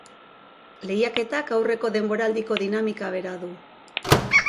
Lehiaketak aurreko denboraldiko dinamika bera du.